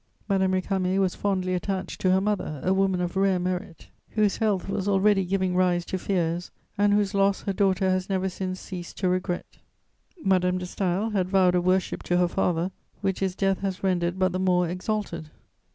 Madame Récamier was fondly attached to her mother, a woman of rare merit, whose health was already giving rise to fears and whose loss her daughter has never since ceased to regret. Madame de Staël had vowed a worship to her father which his death has rendered but the more exalted.